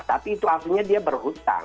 tapi itu artinya dia berhutang